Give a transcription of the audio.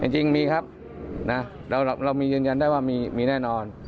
จริงมีครับเรามียืนยันได้ว่ามีแน่นอน